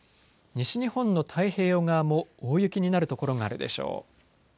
西日本の太平洋側も大雪になる所があるでしょう。